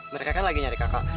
mereka kan lagi nyari kakak